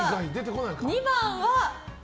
２番は。